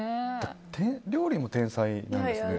料理も天才なんですね。